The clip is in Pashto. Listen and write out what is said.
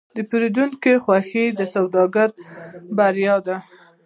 د پیرودونکي خوښي د سوداګر بریا ده.